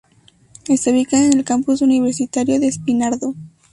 Está ubicada en el Campus Universitario de Espinardo.